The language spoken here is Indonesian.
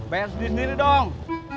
bayar sendiri sendiri dong